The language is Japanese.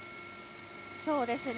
そうですね。